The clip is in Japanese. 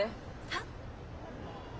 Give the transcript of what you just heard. はっ？